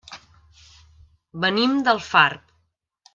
Venim d'Alfarb.